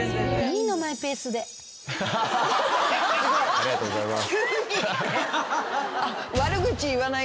ありがとうございます。